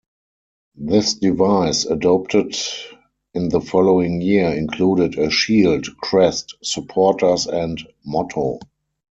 This device, adopted in the following year, included a shield, crest, supporters and motto.